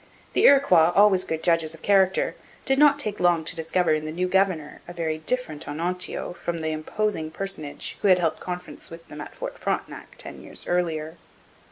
The Iroquois, always good judges of character, did not take long to discover in the new governor a very different Onontio from the imposing personage who had held conference with them at Fort Frontenac ten years earlier.